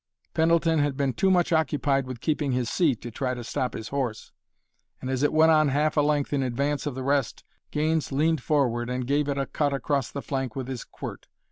Pendleton had been too much occupied with keeping his seat to try to stop his horse, and as it went on half a length in advance of the rest Gaines leaned forward and gave it a cut across the flank with his quirt.